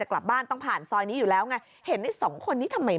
มันกลับมาที่สุดท้ายแล้วมันกลับมาที่สุดท้ายแล้ว